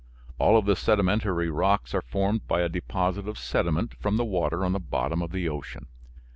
All of the sedimentary rocks are formed by a deposit of sediment from the water on the bottom of the ocean.